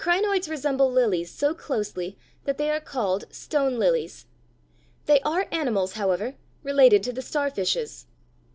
] The crinoids resemble lilies so closely that they are called stone lilies. They are animals, however, related to the starfishes.